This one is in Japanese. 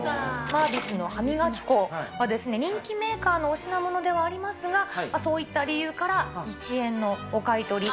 マービスの歯磨き粉は、人気メーカーのお品物ではありますが、そういった理由から、１円のお買い取り。